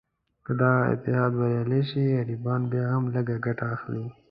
که دغه اتحاد بریالی شي، غریبان بیا هم لږه ګټه اخلي.